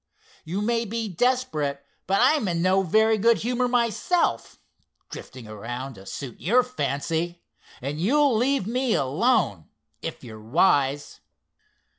You may be desperate, but I'm in no very good humor myself, drifting around to suit your fancy, and you'll leave me alone, if you're wise."